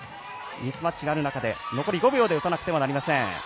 ミスマッチがある中で残り５秒で打たなくてはなりません。